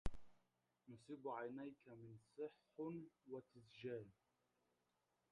نصيب عينيك من سح وتسجام